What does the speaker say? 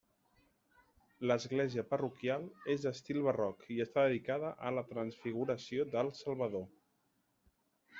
L'església parroquial és d'estil barroc i està dedicada a la transfiguració del Salvador.